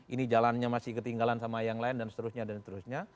ini jalannya masih ketinggalan sama yang lain dan seterusnya dan seterusnya